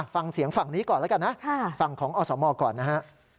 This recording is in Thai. ฟังเสียงฝั่งนี้ก่อนแล้วกันนะฝั่งของอสมก่อนนะฮะ